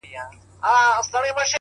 وربــاندي نــه وركوم ځــان مــلــگــرو _